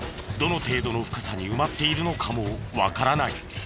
どの程度の深さに埋まっているのかもわからない。